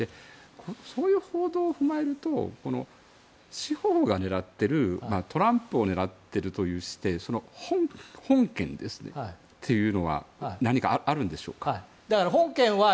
そういう報道を踏まえると司法が狙っているトランプを狙っているという本件というのは何かあるのでしょうか。